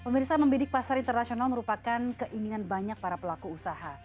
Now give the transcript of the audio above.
pemirsa membidik pasar internasional merupakan keinginan banyak para pelaku usaha